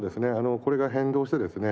これが変動してですね